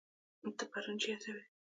ته پرون چيرته وي